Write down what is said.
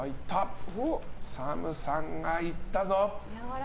ＳＡＭさんがいったぞ。